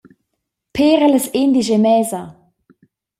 Pér allas endisch e mesa!